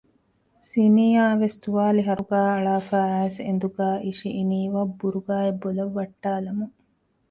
ޒިނިޔާވެސް ތުވާލި ހަރުގައި އަޅާފައި އައިސް އެނދުގައި އިށިއިނީ ވަށްބުރުގާއެއް ބޮލަށް ވައްޓާލަމުން